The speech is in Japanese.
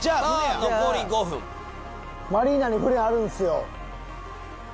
船やマリーナに船あるんすよ